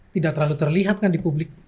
tidak terlalu terlihat kan di publik